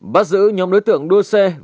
bắt giữ nhóm đối tượng đua xe